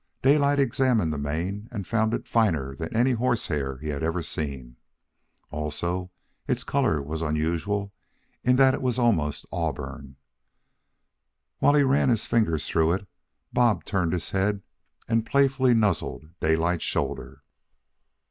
Daylight examined the mane and found it finer than any horse's hair he had ever seen. Also, its color was unusual in that it was almost auburn. While he ran his fingers through it, Bob turned his head and playfully nuzzled Daylight's shoulder.